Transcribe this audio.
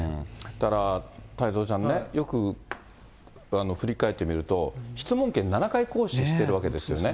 だから太蔵ちゃんね、よく振り返ってみると、質問権７回行使しているわけですよね。